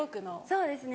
そうですね。